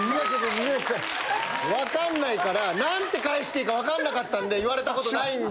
わかんないから。なんて返していいかわかんなかったんで言われたことないんで！